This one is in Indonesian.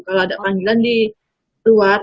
kalau ada panggilan di luar